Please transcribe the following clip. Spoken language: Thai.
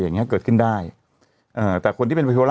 อย่างเงี้เกิดขึ้นได้เอ่อแต่คนที่เป็นไวรัส